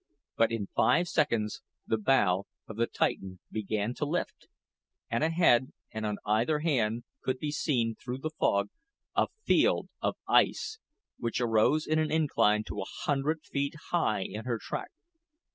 But in five seconds the bow of the Titan began to lift, and ahead, and on either hand, could be seen, through the fog, a field of ice, which arose in an incline to a hundred feet high in her track.